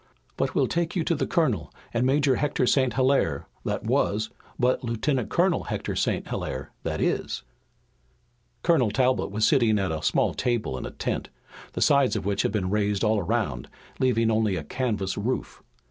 But we'll take you to the Colonel and Major Hector St. Hilaire, that was, but Lieutenant Colonel Hector St. Hilaire that is." Colonel Talbot was sitting at a small table in a tent, the sides of which had been raised all around, leaving only a canvas roof.